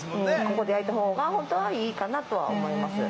ここで焼いた方が本当はいいかなとは思います。